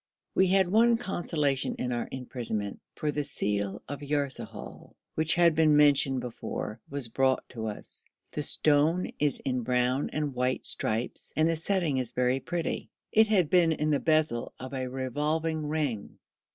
We had one consolation in our imprisonment, for the seal of Yarsahal, which has been mentioned before, was brought to us. The stone is in brown and white stripes, and the setting is very pretty. It had been in the bezel of a revolving ring.